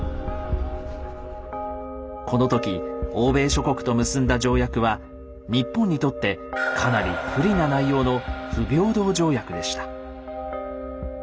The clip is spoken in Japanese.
この時欧米諸国と結んだ条約は日本にとってかなり不利な内容の不平等条約でした。